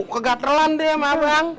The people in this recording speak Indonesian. kegatelan deh emang bang